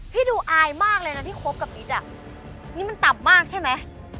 พี่ดูอายมากเลยนะที่คบกับนิดอ่ะนี่มันต่ำมากใช่ไหม